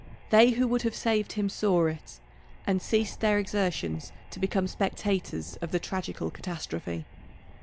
They who would have saved him saw it, and ceased their exertions to become spectators of the tragical catastrophe.